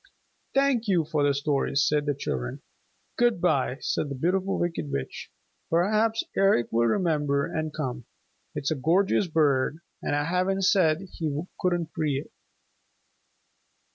"Thank you for the stories," said the children. "Good by," said the Beautiful Wicked Witch. "Perhaps Eric will remember and come. It's a gorgeous bird, and I haven't said he couldn't free it."